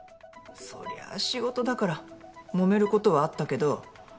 そりゃ仕事だからもめることはあったけど。